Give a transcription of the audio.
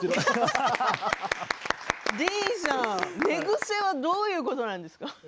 寝癖はどういうことなんですか？